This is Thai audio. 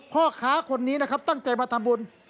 พ่อค้าคนนี้นะครับตั้งใจมาทำบุญ